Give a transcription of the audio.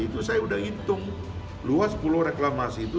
itu saya udah hitung luas pulau reklamasi itu